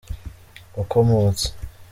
Wakomotse.